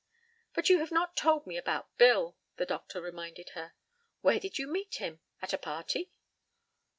"But you have not told me about Bill," the doctor reminded her. "Where did you meet him at a party?"